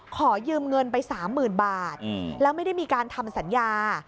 ขอยืมเงินไป๓๐๐๐บาทแล้วไม่ได้มีการทำสัญญา